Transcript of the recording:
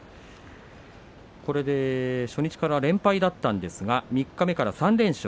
これで初日から連敗だったんですが三日目から３連勝。